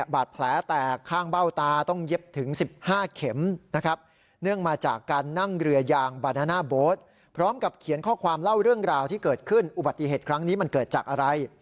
บาดแผลแตกข้างเบ้าตาต้องเย็บถึง๑๕เข็มนะครับ